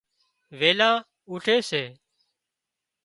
ويلان اُُوٺي سي